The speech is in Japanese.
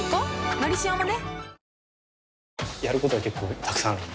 「のりしお」もね